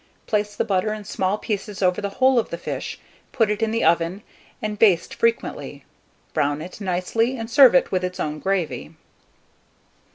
Place the butter in small pieces over the whole of the fish, put it in the oven, and baste frequently; brown it nicely, and serve with its own gravy.